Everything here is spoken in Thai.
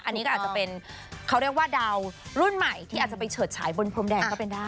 อันนี้ก็อาจจะเป็นเขาเรียกว่าดาวรุ่นใหม่ที่อาจจะไปเฉิดฉายบนพรมแดงก็เป็นได้